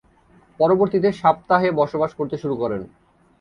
পরবর্তীতে 'সাবতাহ'-এ বসবাস করতে শুরু করেন।